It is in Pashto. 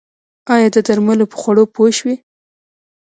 ایا د درملو په خوړلو پوه شوئ؟